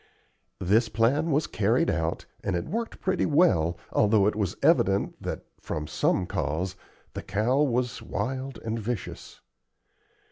This plan was carried out, and it worked pretty well, although it was evident that, from some cause, the cow was wild and vicious.